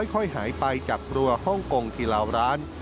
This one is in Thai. ค่อยหายไปจากครัวฮ่องกงกีฬาวร้าน